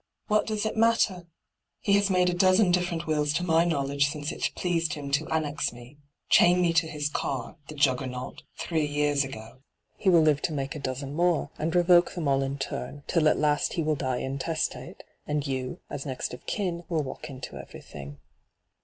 ' What does it matter ? He has made a dozen different wills to my knowledge since it pleased him to nyr^^hyGoOglc ENTRAPPED 23 annex me, chain me to his car, the Juggernaut! three years ago ; he will live to make a dozen more, and revoke them all in torn, till at last he will die intestate, and you, as next of kin, will walk into everything.'